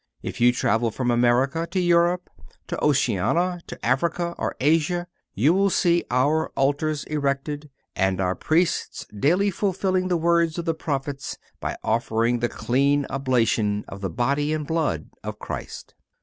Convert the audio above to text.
If you travel from America to Europe, to Oceanica, to Africa, or Asia, you will see our altars erected, and our Priests daily fulfilling the words of the prophets by offering the "clean oblation" of the body and blood of Christ.